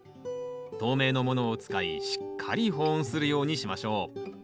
透明のものを使いしっかり保温するようにしましょう。